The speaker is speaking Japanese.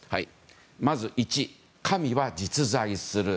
まず１、神は実在する。